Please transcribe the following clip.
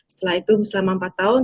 setelah itu selama empat tahun